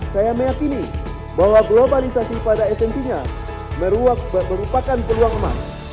saya meyakini bahwa globalisasi pada esensinya merupakan peluang emas